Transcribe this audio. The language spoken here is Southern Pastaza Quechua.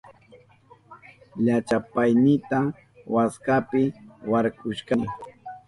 Llachapaynita waskapi warkushkani.